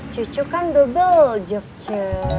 cucu kan bebel jokcu